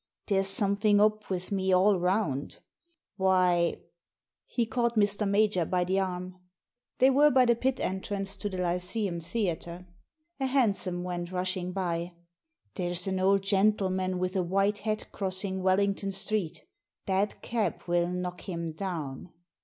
There's something up with me all round Why " He caught Mr. Major by the arm. They were by the pit entrance to the Lyceum Theatre. A hansom went rushing by. There's an old gentleman with a white hat cross ing Wellington Street — that cab will knock him down!"